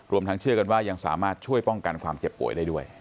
ทางเชื่อกันว่ายังสามารถช่วยป้องกันความเจ็บป่วยได้ด้วย